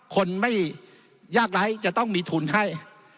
คนไม่ยากไร้จะต้องมีทุนให้